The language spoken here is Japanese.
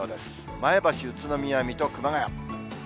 前橋、宇都宮、水戸、熊谷。